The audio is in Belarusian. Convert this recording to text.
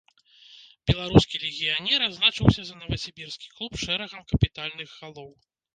Беларускі легіянер адзначыўся за навасібірскі клуб шэрагам капітальных галоў.